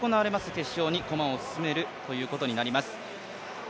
決勝に駒を進めるということになります。